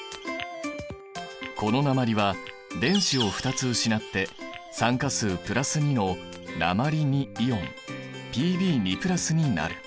この鉛は電子を２つ失って酸化数＋２の鉛イオンＰｂになる。